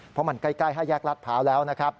เพราะมันใกล้ห้าแยกลาสเผราแล้ว